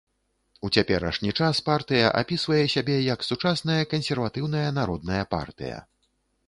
У цяперашні час партыя апісвае сябе як сучасная кансерватыўная народная партыя.